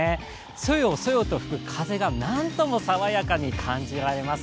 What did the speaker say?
そよそよと吹く風がなんとも爽やかに感じられます。